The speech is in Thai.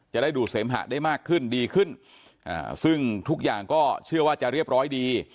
จะได้ดูดเสมหะได้มากขึ้นดีขึ้นซึ่งทุกอย่างก็เชื่อว่าจะเรียบร้อยดี